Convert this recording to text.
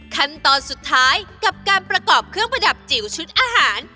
ขั้นตอนสุดท้ายกับการประกอบเครื่องประดับจิ๋วชุดอาหาร